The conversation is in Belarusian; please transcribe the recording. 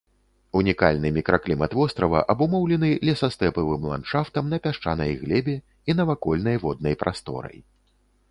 Унікальны мікраклімат вострава, абумоўлены лесастэпавым ландшафтам на пясчанай глебе і навакольнай воднай прасторай.